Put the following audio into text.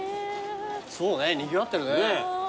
そうねにぎわってるね。